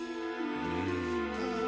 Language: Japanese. うん。